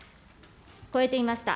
超えていました。